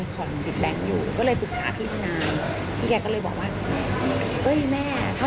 ก็ต้องเอาบ้านแม่ไปถ่ายเข้าตลาด